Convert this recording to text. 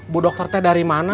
brozers tau gaining mana